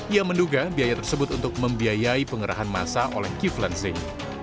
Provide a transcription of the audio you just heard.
ia menduga biaya tersebut untuk membiayai pengerahan masa oleh kiflan zin